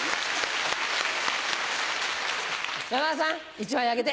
山田さん１枚あげて。